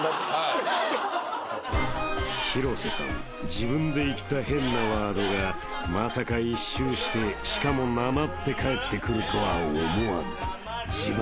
自分で言った変なワードがまさか１周してしかもなまって返ってくるとは思わず自爆］